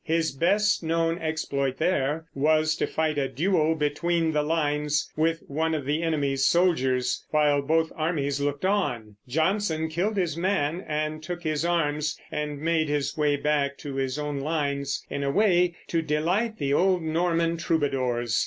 His best known exploit there was to fight a duel between the lines with one of the enemy's soldiers, while both armies looked on. Jonson killed his man, and took his arms, and made his way back to his own lines in a way to delight the old Norman troubadours.